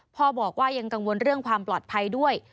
พ่อบอกว่ายังกังวลเรื่องความปลอดภัยด้วย